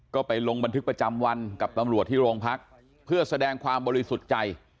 ก็ไปลงบันทึกประจำวันกับตำรวจที่โรงพักเพื่อแสดงความบริสุทธิ์ใจ